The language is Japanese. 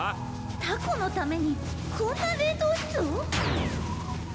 タコのためにこんな冷凍室を？